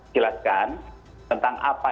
jelaskan tentang apa